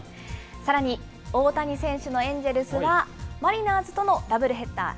さらに大谷選手のエンジェルスはマリナーズとのダブルヘッダー。